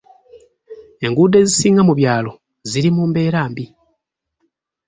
Enguudo ezisinga mu byalo ziri mu mbera mbi .